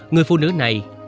người phụ nữ này